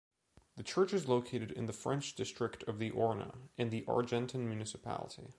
The church is located in the French district of the Orne, in the Argentan municipality.